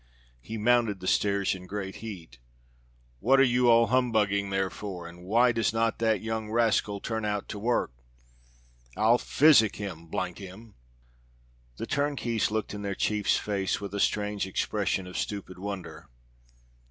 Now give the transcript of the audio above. He mounted the stairs in great heat. "What are you all humbugging there for, and why does not that young rascal turn out to work? I'll physic him, him!" The turnkeys looked in their chief's face with a strange expression of stupid wonder.